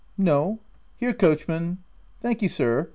"No. Here, coachman. "" Thank'ee, sir.